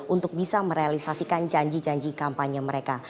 untuk bisa merealisasikan janji janji kampanye mereka